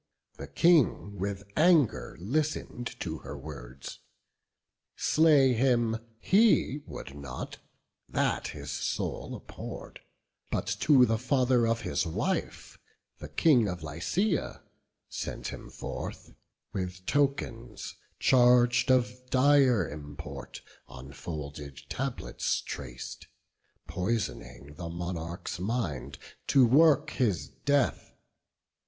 The King with anger listen'd to her words; Slay him he would not; that his soul abhorr'd; But to the father of his wife, the King Of Lycia, sent him forth, with tokens charg'd Of dire import, on folded tablets trac'd, Pois'ning the monarch's mind, to work his death.